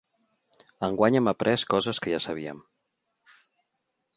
Enguany hem après coses que ja sabíem.